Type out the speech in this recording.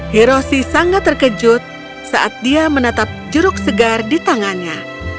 hiroshi sangat terkejut saat dia menatap jeruk segar di tangannya